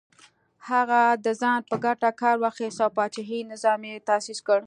هغه د ځان په ګټه کار واخیست او پاچاهي نظام یې تاسیس کړ.